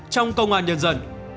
trong công an nhân dân